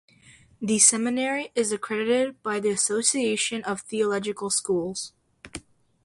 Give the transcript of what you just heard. The seminary is accredited by the Association of Theological Schools.